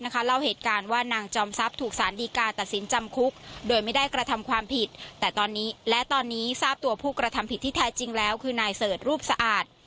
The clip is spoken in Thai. เล่าเหตุการณ์ว่านางจอมทรัพย์ถูกสารดีกาตัดสินจำคุกโดยไม่ได้กระทำความผิดแต่ตอนนี้และตอนนี้ทราบตัวผู้กระทำผิดที่แท้จริงแล้วคือนายเสิร์ชรูปสะอาด